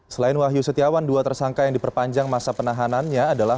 selain wahyu setiawan dua tersangka yang diperpanjang masa penahanannya adalah